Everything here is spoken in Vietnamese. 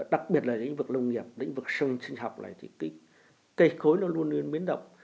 đặc biệt là lĩnh vực nông nghiệp lĩnh vực sông sinh học này thì cây cối nó luôn luôn biến động